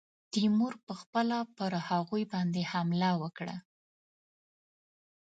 تیمور پخپله پر هغوی باندي حمله وکړه.